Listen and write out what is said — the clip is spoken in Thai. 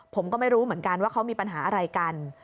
ผมก็ไม่รู้เหมือนกันว่าเขามีปัญหาอะไรกัน